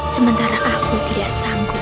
sementara aku tidak sanggup